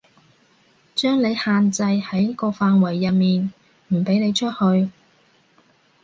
將你限制喺個範圍入面，唔畀你出去